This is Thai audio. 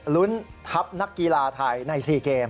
ลุ้นทัพนักกีฬาไทยใน๔เกม